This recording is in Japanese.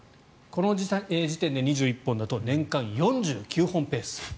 この時点で２１本だと年間４９本ペース。